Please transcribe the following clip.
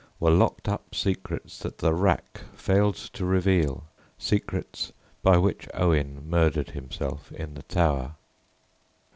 were locked up secrets that the rack failed to reveal secrets by which Owen "murdered himself" in the Tower!